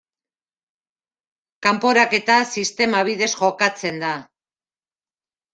Kanporaketa sistema bidez jokatzen da.